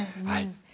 はい。